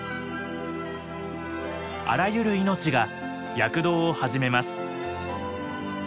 あらゆる命が躍動を始めます。